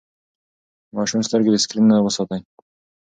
د ماشوم سترګې د سکرين نه وساتئ.